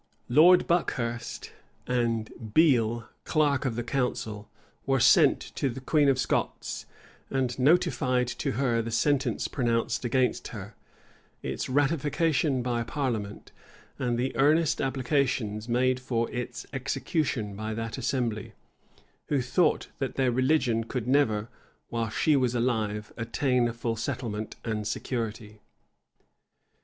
Lord Buckhurst, and Beale, clerk of the council, were sent to the queen of Scots, and notified to her the sentence pronounced against her, its ratification by parliament, and the earnest applications made for its execution by that assembly, who thought that their religion could never, while she was alive, attain a full settlement and security.